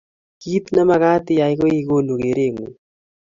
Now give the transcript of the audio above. Kit ne magat iyai ko ikonu kerengung